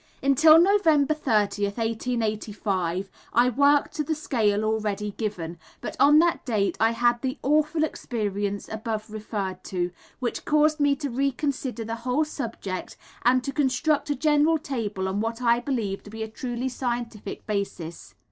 Until November 30th, 1885, I worked to the scale already given, but on that date I had the awful experience above referred to, which caused me to reconsider the whole subject and to construct a general table on what I believe to be a truly scientific basis.